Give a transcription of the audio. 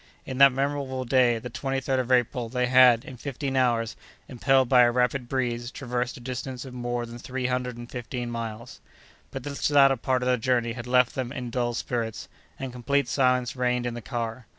In that memorable day, the 23d of April, they had, in fifteen hours, impelled by a rapid breeze, traversed a distance of more than three hundred and fifteen miles. But this latter part of the journey had left them in dull spirits, and complete silence reigned in the car.